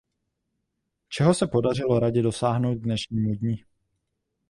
Čeho se podařilo Radě dosáhnout k dnešnímu dni?